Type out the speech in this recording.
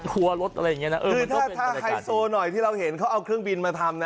ครัวรถอะไรอย่างเงี้นะเออคือถ้าถ้าไฮโซหน่อยที่เราเห็นเขาเอาเครื่องบินมาทำนะ